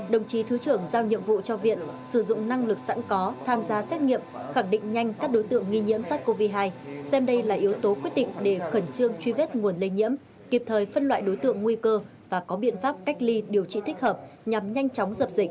đồng chí thứ trưởng giao nhiệm vụ cho viện sử dụng năng lực sẵn có tham gia xét nghiệm khẳng định nhanh các đối tượng nghi nhiễm sars cov hai xem đây là yếu tố quyết định để khẩn trương truy vết nguồn lây nhiễm kịp thời phân loại đối tượng nguy cơ và có biện pháp cách ly điều trị thích hợp nhằm nhanh chóng dập dịch